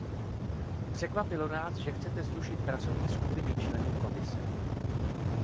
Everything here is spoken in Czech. Překvapilo nás, že chcete zrušit pracovní skupiny členů Komise.